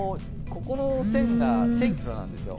ここの線が１０００ｋｍなんですよ。